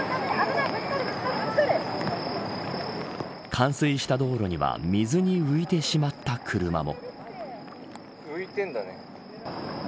冠水した道路には水に浮いてしまった車も。